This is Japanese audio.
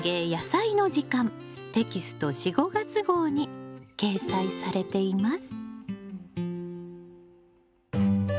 テキスト４・５月号に掲載されています。